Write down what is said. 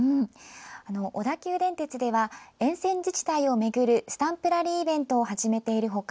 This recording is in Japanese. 小田急電鉄では沿線自治体を巡るスタンプラリーイベントを始めている他